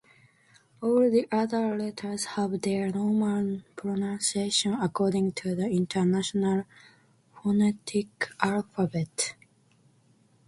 All the other letters have their normal pronunciation according to the International Phonetic Alphabet.